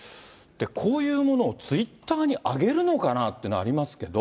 こういうものをツイッターに上げるのかなっていうの、ありますけど。